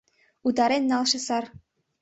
Утарен налше сар